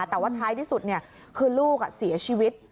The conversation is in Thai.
แต่ว่าท้ายที่สุดคือลูกเสียชีวิต